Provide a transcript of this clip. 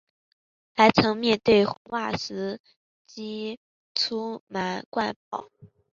还曾面对红袜时击出满贯炮。